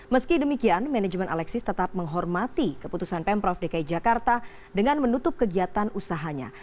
meski demikian manajemen alexis tetap menghormati keputusan pemprov dki jakarta dengan menutup kegiatan usahanya